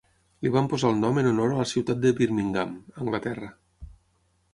Li van posar el nom en honor a la ciutat de Birmingham, Anglaterra.